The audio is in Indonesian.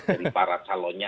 dari para calonnya